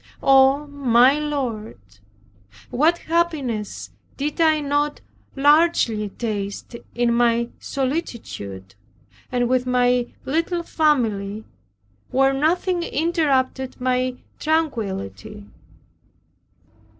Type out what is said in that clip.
Oh, my Lord, what happiness did I not largely taste in my solitude, and with my little family, where nothing interrupted my tranquillity!